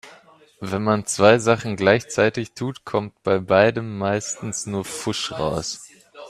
Wenn man zwei Sachen gleichzeitig tut, kommt bei beidem meistens nur Pfusch raus.